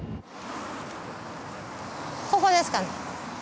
ここですかね